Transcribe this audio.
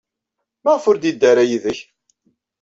Maɣef ur yeddi ara yid-k?